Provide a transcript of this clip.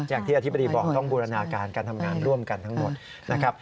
อย่างที่อธิบดีบอกต้องบูรณาการการทำงานร่วมกันทั้งหมดนะครับ